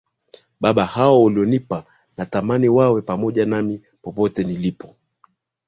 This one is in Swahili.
Baba hao ulionipa nataka wawe pamoja nami popote nilipo